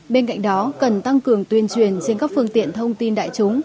bên cạnh đó cần tăng cường tuyên truyền trên các phương tiện thông tin đại chúng